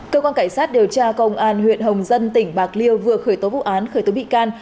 cơ quan cảnh sát điều tra công an huyện hồng dân tỉnh bạc liêu vừa khởi tố vụ án khởi tố bị can